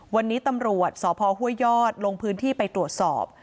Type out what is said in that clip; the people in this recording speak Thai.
วันนี้ตำรวจสพห้วยยอดลงพื้นที่ไปตรวจสอบ